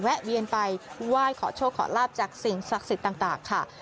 เวียนไปไหว้ขอโชคขอลาบจากสิ่งศักดิ์สิทธิ์ต่างค่ะ